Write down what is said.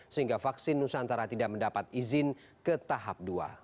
sehingga vaksin nusantara tidak mendapat izin ke tahap dua